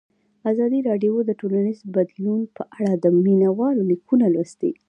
ازادي راډیو د ټولنیز بدلون په اړه د مینه والو لیکونه لوستي.